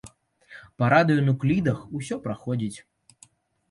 Па радыенуклідах усё праходзіць.